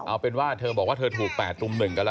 เอาเป็นว่าเธอบอกว่าเธอถูก๘ตุ่ม๑กันแล้ว